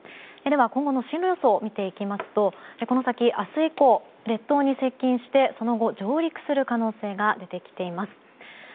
では今後の進路予想を見ていきますとこの先、明日以降列島に接近してその後、上陸する可能性が出てきています。